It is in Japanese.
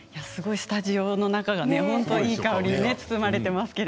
スタジオの中がいい香りで包まれています。